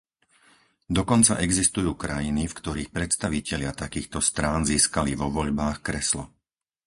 Dokonca existujú krajiny, v ktorých predstavitelia takýchto strán získali vo voľbách kreslo.